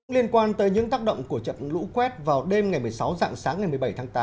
liên quan tới những tác động của trận lũ quét vào đêm ngày một mươi sáu dạng sáng ngày một mươi bảy tháng tám